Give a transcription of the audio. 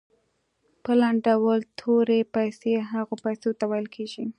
په لنډ ډول تورې پیسې هغو پیسو ته ویل کیږي.